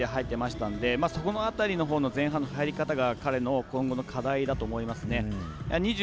入っていましたのでそこの辺りの前半の入り方が彼の今後の課題だと思います。